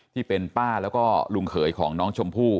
ที่เป็นป้าแล้วก็ลุงเขยของน้องชมพู่